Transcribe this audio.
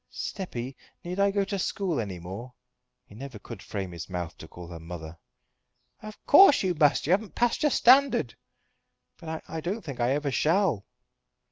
"Steppy, need I go to school any more?" He never could frame his mouth to call her mother. "Of course you must. You haven't passed your standard." "But I don't think that I ever shall."